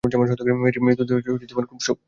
মেয়েটির মৃত্যুতে খুব শোক পেলাম।